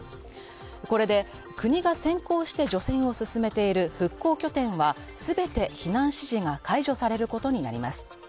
これで国が先行して除染を進めている復興拠点は全て避難指示が解除されることになります。